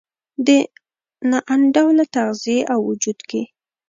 د نا انډوله تغذیې او وجود کې